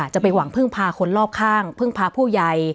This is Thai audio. จะไปหวังพึ่งพาคนรอบข้างพึ่งพาผู้ใหญ่